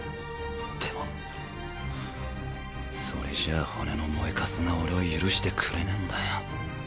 でもそれじゃあ骨の燃えカスが俺を許してくれねぇんだよ。